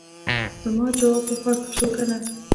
زما جواب یې خوښ شو کنه.